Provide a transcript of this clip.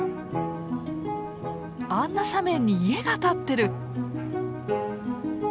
あんな斜面に家が建ってる！